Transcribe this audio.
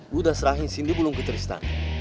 lo udah serahin cindy belum kistic stun